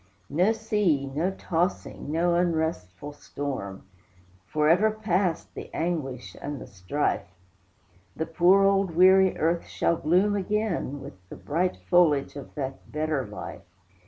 No sea, no tossing, no unrestful storm! Forever past the anguish and the strife; The poor old weary earth shall bloom again, With the bright foliage of that better life.